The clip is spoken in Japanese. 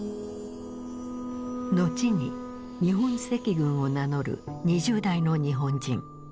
後に日本赤軍を名乗る２０代の日本人。